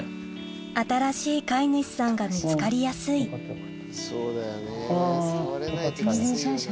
新しい飼い主さんが見つかりやすいあぁよかった。